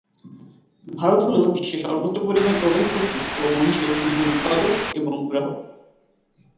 ভারত হল বিশ্বে সর্বোচ্চ পরিমাণে গবাদি পশু ও মহিষের দুধের উৎপাদক এবং গ্রাহক।